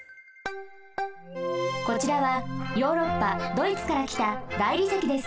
こちらはヨーロッパドイツからきた大理石です。